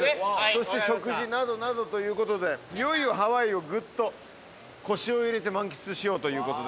そして食事などなどということでいよいよハワイをぐっと腰をいれて満喫しようということで。